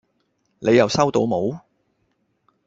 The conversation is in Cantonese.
你又收到冇